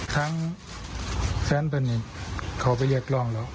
ทั้งแฟนเพลินอีกเขาไปเลือกรองหรือ